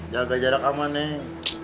jaga jarak aman neng